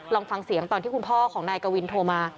ลองฟังเสียงตอนที่คุณพ่อของนายกวินโทรมา